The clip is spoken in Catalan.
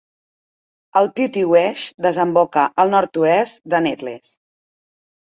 El Piute Wash desemboca al nord-oest de Needles.